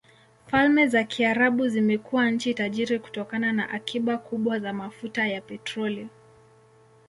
Falme za Kiarabu zimekuwa nchi tajiri kutokana na akiba kubwa za mafuta ya petroli.